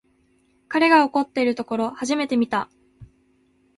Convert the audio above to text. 彼が怒ってるところ初めて見た